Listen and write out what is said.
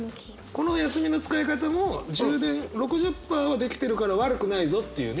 この休みの使い方も充電６０％は出来てるから悪くないぞっていうね。